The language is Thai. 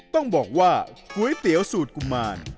ต้องบอกว่าก๋วยเตี๋ยวสูตรกุมาร